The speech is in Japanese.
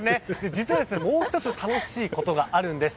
実は、もう１つ楽しいことがあるんです。